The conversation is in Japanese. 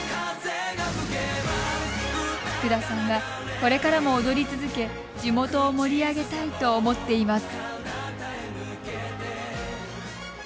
福田さんは、これからも踊り続け地元を盛り上げたいと思っています。